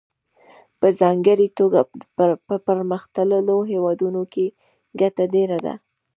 په ځانګړې توګه په پرمختللو هېوادونو کې ګټه ډېره ده